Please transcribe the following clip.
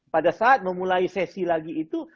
pada saat memulai sesi lagi itu